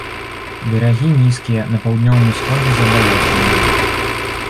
Берагі нізкія, на паўднёвым усходзе забалочаныя.